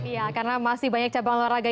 iya karena masih banyak cabang olahraga